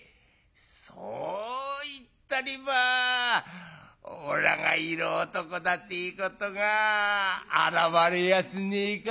そう言ったればおらが色男だっていうことがあらわれやしねえか」。